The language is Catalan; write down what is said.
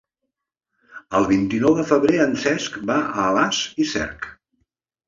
El vint-i-nou de febrer en Cesc va a Alàs i Cerc.